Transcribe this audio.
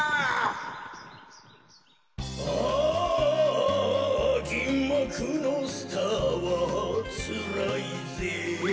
「ああぎんまくのスターはつらいぜぇ」